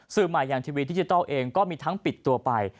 สื่อใหม่อย่างทีวีดิจิทัลเองก็มีทั้งปิดตัวไป